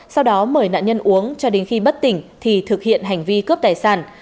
sau đó mời nạn nhân uống cho đến khi bất tỉnh thì thực hiện hành vi cướp tài sản